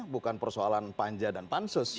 bukan persoalan panja dan pansus gitu ya